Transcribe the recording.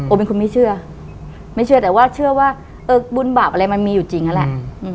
เป็นคนไม่เชื่อไม่เชื่อแต่ว่าเชื่อว่าเออบุญบาปอะไรมันมีอยู่จริงนั่นแหละ